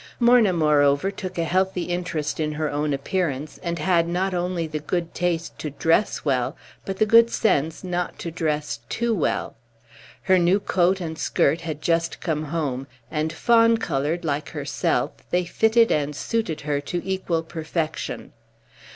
Morna, moreover, took a healthy interest in her own appearance, and had not only the good taste to dress well, but the good sense not to dress too well. Her new coat and skirt had just come home, and, fawn colored like herself, they fitted and suited her to equal perfection.